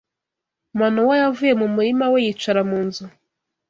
Manoa yavuye mu murima we yicara mu nzu